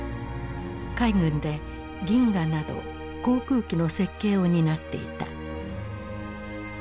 海軍で銀河など航空機の設計を担っていた。